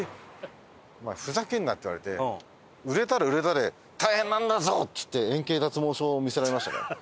「お前ふざけんな！」って言われて「売れたら売れたで大変なんだぞ！」って言って円形脱毛症を見せられましたからね。